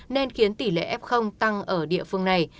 nên khiến tỷ lệ f tăng ở địa phương này